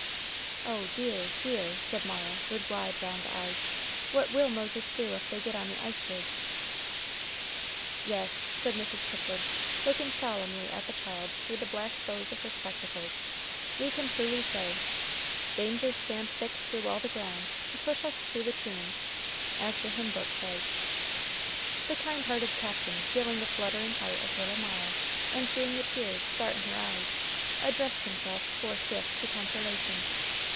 "Oh, dear, dear," said Mara, with wide round eyes, "what will Moses do if they get on the icebergs?" "Yes," said Mrs. Kittridge, looking solemnly at the child through the black bows of her spectacles, "we can truly say: "'Dangers stand thick through all the ground, To push us to the tomb,' as the hymn book says." The kind hearted Captain, feeling the fluttering heart of little Mara, and seeing the tears start in her eyes, addressed himself forthwith to consolation.